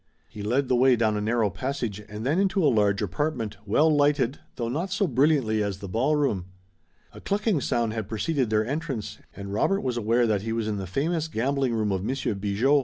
He led the way down a narrow passage, and then into a large apartment, well lighted, though not so brilliantly as the ballroom. A clicking sound had preceded their entrance, and Robert was aware that he was in the famous gambling room of Monsieur Bigot.